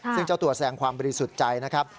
ซึ่งเจ้าตัวแสงความบริสุทธิ์ใจนะครับ